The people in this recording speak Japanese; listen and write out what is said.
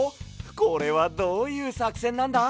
これはどういうさくせんなんだ？